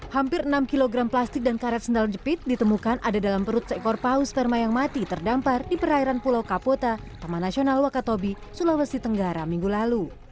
hampir enam kg plastik dan karet sendal jepit ditemukan ada dalam perut seekor paus sperma yang mati terdampar di perairan pulau kapota taman nasional wakatobi sulawesi tenggara minggu lalu